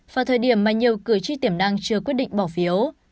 vào thời điểm mà nhiều cử tri tiềm năng chưa quyết định bỏ phiếu